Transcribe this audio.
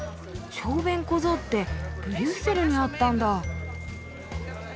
小便小僧ってブリュッセルにあったんだ。